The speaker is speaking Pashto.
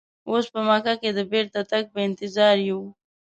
اوس په مکه کې د بیرته تګ په انتظار یو.